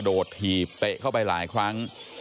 ดถีบเตะเข้าไปหลายครั้ง